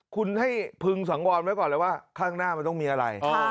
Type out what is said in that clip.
คุณให้พึงสังวันไว้แล้วทางหน้ามันต้องมีอะไร